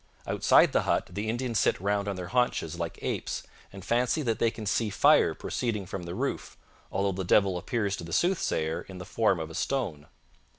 Outside the hut the Indians sit round on their haunches like apes and fancy that they can see fire proceeding from the roof, although the devil appears to the soothsayer in the form of a stone.